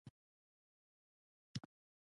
د ده دعوا پر پاچاهۍ نه ده.